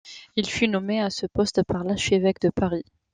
Il fut nommé à ce poste par l'archevêque de Paris.